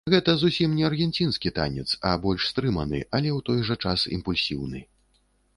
Гэта зусім не аргенцінскі танец, а больш стрыманы, але ў той жа час імпульсіўны.